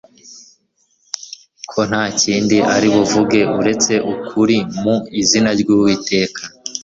ko nta kindi ari buvuge uretse ukuri mu izina ryUwiteka